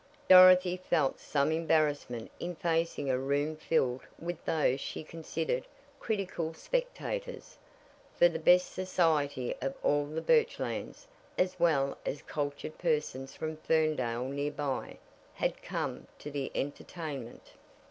Dorothy felt some embarrassment in facing a room filled with those she considered critical spectators, for the best society of all the Birchlands, as well as cultured persons from Ferndale near by, had come to the entertainment.